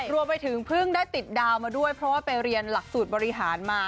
รวมไปถึงเพิ่งได้ติดดาวมาด้วยเพราะว่าไปเรียนหลักสูตรบริหารมา